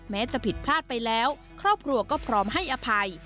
จะผิดพลาดไปแล้วครอบครัวก็พร้อมให้อภัย